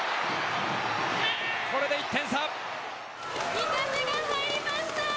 ２点目が入りました。